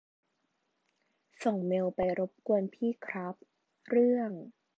ส่งเมลไปรบกวนพี่ครับ เรื่อง